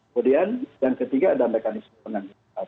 kemudian yang ketiga ada mekanisme pengangguran atau peredaran